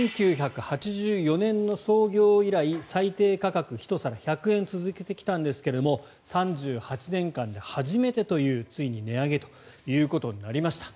１９８４年の創業以来最低価格の１皿１００円続けてきたんですけれども３８年間で初めてというついに値上げということになりました。